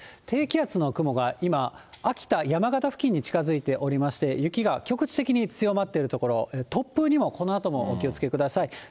低気圧の雲が今、秋田、山形付近に近づいておりまして、雪が局地的に強まっている所、突風にもこのあともお気をつけください。